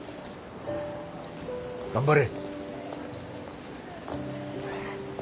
頑張れ。